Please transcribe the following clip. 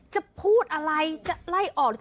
จะพูดอะไรจะไล่ออก